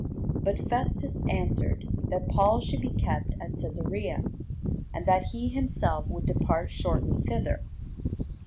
But Festus answered, that Paul should be kept at Cæsarea, and that he himself would depart shortly thither.